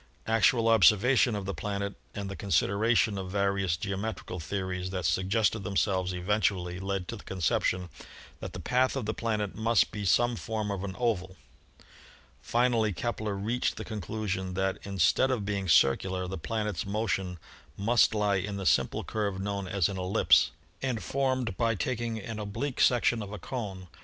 Actual observation of the planet and the consideration of various geometrical theories that suggested themselves eventually led to the conception that the path of the planet must be some form of an oval. THE SOLAR SYSTEM 77 Finally Kepler reached the conclusion that instead of being circular, the planet's motion must lie in the simple curve known as an ellipse and formed by taking an oblique section of a cone.